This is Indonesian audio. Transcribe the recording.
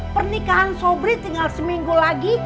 pernikahan sobri tinggal seminggu lagi